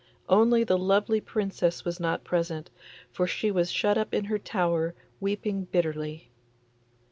Only the lovely Princess was not present, for she was shut up in her tower weeping bitterly.